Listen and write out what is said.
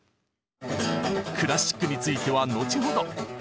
クラシックについては後ほど。